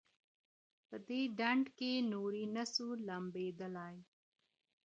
په دې ډنډ کي نوري نه سو لمبېدلای